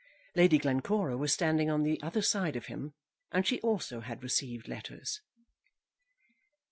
Lady Glencora was standing on the other side of him, and she also had received letters.